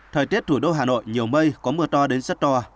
thời tiết thủ đô hà nội nhiều mây có mưa to đến rất to